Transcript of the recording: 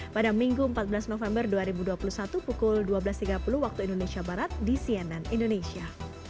pada minggu empat belas november dua ribu dua puluh satu pukul dua belas tiga puluh waktu indonesia barat di cnn indonesia